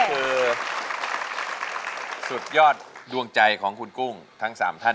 เปลี่ยนเพลงเพลงเก่งของคุณและข้ามผิดได้๑คำ